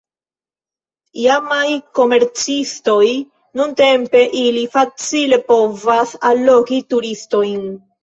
Iamaj komercistoj, nuntempe, ili facile povas allogi turistojn.